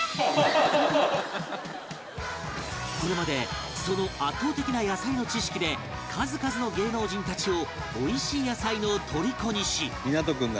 これまでその圧倒的な野菜の知識で数々の芸能人たちをおいしい野菜のとりこにし